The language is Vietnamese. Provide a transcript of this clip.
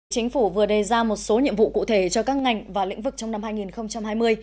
chính phủ vừa đề ra một số nhiệm vụ cụ thể cho các ngành và lĩnh vực trong năm hai nghìn hai mươi